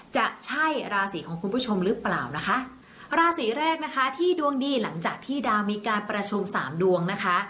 จะใช่ราศีของคุณผู้ชมหรือเปล่านะคะราศีแรกนะคะที่ดวงดีหลังจากที่ดาวมีการประชุมสามดวงนะคะ